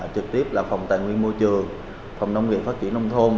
trực tiếp là phòng tài nguyên môi trường phòng nông nghiệp phát triển nông thôn